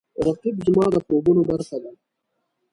رقیب زما د خوبونو برخه ده